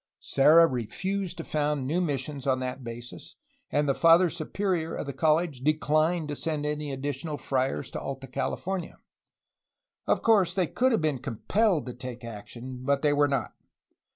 Serra refused to found new missions on that basis, and the Father Superior of the college declined to send additional friars to Alta California. Of course, they could have been compelled to take action, but they were not.